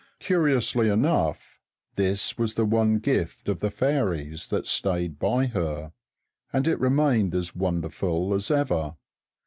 Curiously enough, this was the one gift of the fairies that stayed by her, and it remained as wonderful as ever.